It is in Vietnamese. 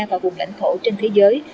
và vùng lãnh thổ trên thế giới